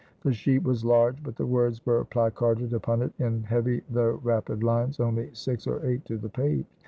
The sheet was large; but the words were placarded upon it in heavy though rapid lines, only six or eight to the page.